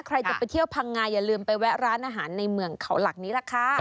ใครจะไปเที่ยวพังงาอย่าลืมไปแวะร้านอาหารในเมืองเขาหลักนี้ล่ะค่ะ